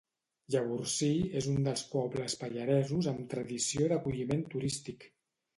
Llavorsí és un dels pobles pallaresos amb tradició d'acolliment turístic.